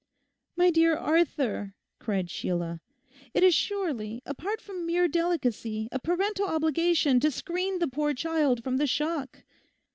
'My dear Arthur,' cried Sheila, 'it is surely, apart from mere delicacy, a parental obligation to screen the poor child from the shock.